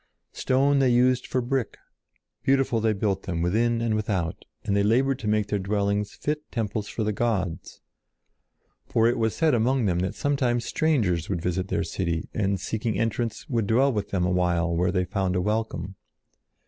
Stone they used for brick, beautiful they built them within and without, and they labored to make their dwellings fit temples for the gods. For it was said among them that sometimes strangers would visit their city, and seeking entrance, would dwell with them awhile where they found a welcome.